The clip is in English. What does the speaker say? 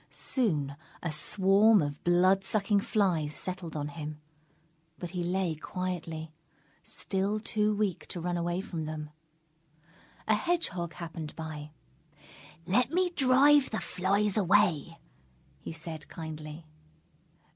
Soon a swarm of blood sucking flies settled on him; but he lay quietly, still too weak to run away from them. A Hedgehog happened by. "Let me drive the flies away," he said kindly.